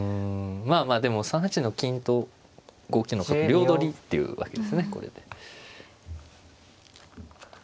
まあまあでも３八の金と５九の角両取りっていうわけですねこれで。